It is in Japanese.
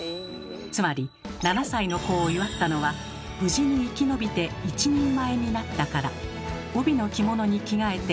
つまり７歳の子を祝ったのは無事に生き延びて一人前になったから。